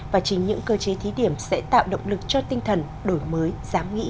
và chính những cơ chế thí điểm sẽ tạo động lực cho tinh thần đổi mới giám nghị